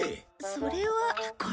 それはこれから。